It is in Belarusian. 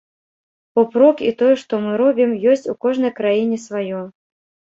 Поп-рок і тое, што мы робім, ёсць у кожнай краіне сваё.